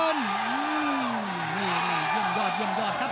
ยี่ยอดยี่ยอดครับ